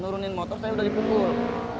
turunin motor saya udah dipukul